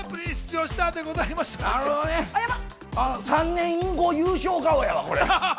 ３年後優勝やわ、これ。